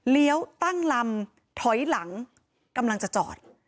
ตั้งลำถอยหลังกำลังจะจอด